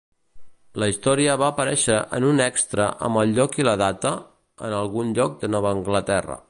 La història va aparèixer en un extra amb el lloc i la data "En algun lloc de Nova Anglaterra".